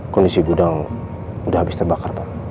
kondisi gudang udah habis terbakar pak